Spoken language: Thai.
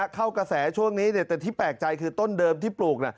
เข้ากระแสช่วงนี้แต่ที่แปลกใจคือต้นเดิมที่ปลูก